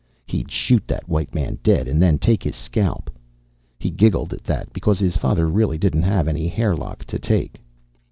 He'd shoot that white man dead and then take his scalp. He giggled at that, because his father really didn't have any hairlock to take.